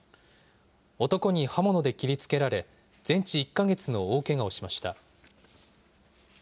男に刃物で切りつけられ、全治１か月の大けがをしました。